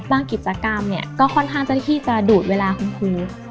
บ้างกิจกรรมก็ค่อนข้างที่จะดูดเวลาคุณครู